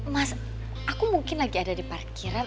mas aku mungkin lagi ada di parkiran